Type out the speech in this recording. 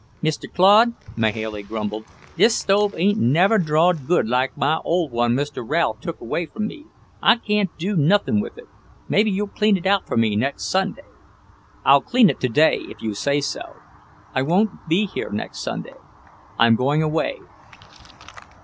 "Mr. Claude," Mahailey grumbled, "this stove ain't never drawed good like my old one Mr. Ralph took away from me. I can't do nothin' with it. Maybe you'll clean it out for me next Sunday." "I'll clean it today, if you say so. I won't be here next Sunday. I'm going away."